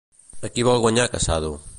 A qui vol guanyar Casado?